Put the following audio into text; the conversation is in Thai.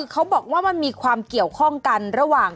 เขาบอกว่ามันมีความเกี่ยวข้องกันระหว่าง